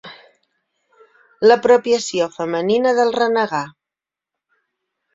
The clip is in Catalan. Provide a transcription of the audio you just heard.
L'apropiació femenina del renegar.